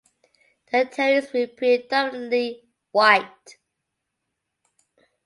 The interior is predominantly white.